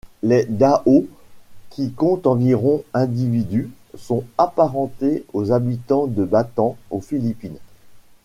Les Da’o qui comptent environ individus, sont apparentés aux habitants de Batan aux Philippines.